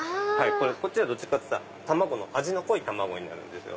こっちはどっちかっていったら味の濃い卵になるんですよ。